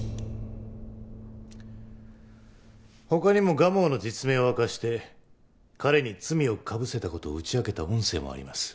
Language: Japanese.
他にも蒲生の実名を明かして彼に罪をかぶせた事を打ち明けた音声もあります。